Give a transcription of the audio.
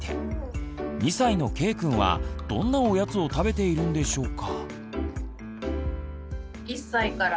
２歳のけいくんはどんなおやつを食べているんでしょうか。